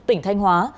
tỉnh thanh hóa